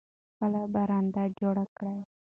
خپل برند جوړ کړئ.